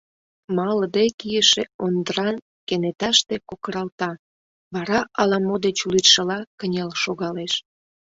Малыде кийыше Ондран кенеташте кокыралта, вара ала-мо деч лӱдшыла, кынел шогалеш.